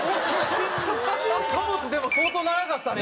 貨物でも相当長かったね